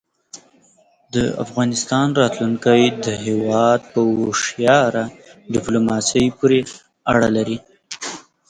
د افغانستان راتلونکی د هېواد په هوښیاره دیپلوماسۍ پورې اړه لري.